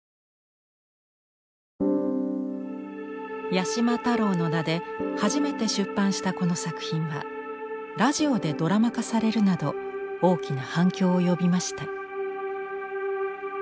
八島太郎の名で初めて出版したこの作品はラジオでドラマ化されるなど大きな反響を呼びました。